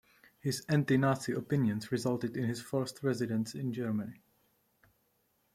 His anti-Nazi opinions resulted in his forced residence in Germany.